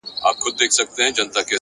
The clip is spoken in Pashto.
خپل مسیر د وجدان په رڼا وټاکئ،